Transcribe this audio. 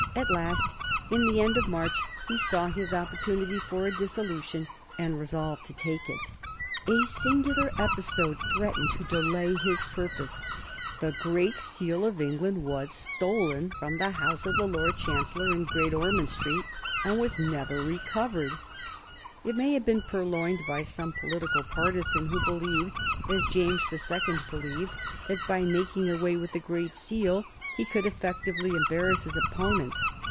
At last, in the end of March, he saw his opportunity for a dissolution and resolved to take it. A singular episode threatened to delay his purpose. [Sidenote: 1784 The disappearance of the Great Seal] The Great Seal of England was stolen from the house of the Lord Chancellor in Great Ormond Street, and was never recovered. It may have been purloined by some political partisan who believed, as James the Second believed, that by making away with the Great Seal he could effectively embarrass his opponents.